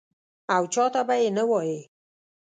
او چا ته به یې نه وایې.